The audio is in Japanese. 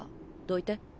どいて。